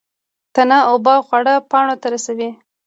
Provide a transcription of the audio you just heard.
تنه اوبه او خواړه پاڼو ته رسوي